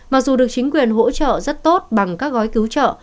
mặc dù được chính quyền hỗ trợ rất tốt bằng các gói cứu trợ